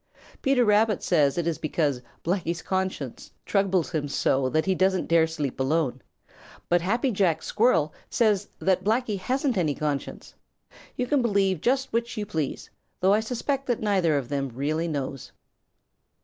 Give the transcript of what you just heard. Peter Rabbit says that it is because Blacky's conscience troubles him so that he doesn't dare sleep alone, but Happy Jack Squirrel says that Blacky hasn't any conscience. You can believe just which you please, though I suspect that neither of them really knows.